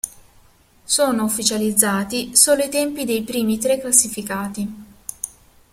Sono ufficializzati solo i tempi dei primi tre classificati.